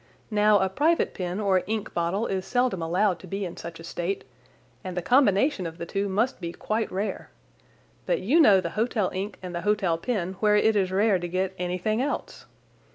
Now, a private pen or ink bottle is seldom allowed to be in such a state, and the combination of the two must be quite rare. But you know the hotel ink and the hotel pen, where it is rare to get anything else.